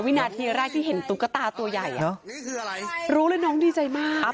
วินาทีแรกที่เห็นตุ๊กตาตัวใหญ่เนอะคืออะไรรู้เลยน้องดีใจมาก